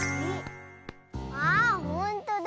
あほんとだ。